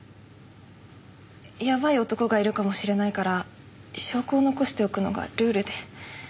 やばい男がいるかもしれないから証拠を残しておくのがルールで。